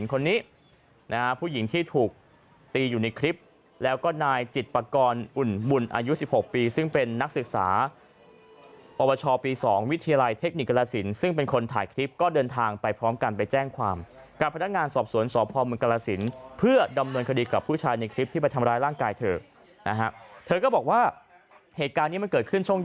คนนี้นะฮะผู้หญิงที่ถูกตีอยู่ในคลิปแล้วก็นายจิตปากรอุ่นบุญอายุ๑๖ปีซึ่งเป็นนักศึกษาอวชปี๒วิทยาลัยเทคนิคกรสินซึ่งเป็นคนถ่ายคลิปก็เดินทางไปพร้อมกันไปแจ้งความกับพนักงานสอบสวนสพมกรสินเพื่อดำเนินคดีกับผู้ชายในคลิปที่ไปทำร้ายร่างกายเธอนะฮะเธอก็บอกว่าเหตุการณ์นี้มันเกิดขึ้นช่วง